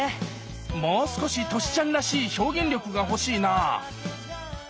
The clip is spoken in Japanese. もう少しトシちゃんらしい表現力が欲しいな！